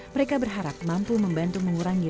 mereka berharap mampu membantu mengurangi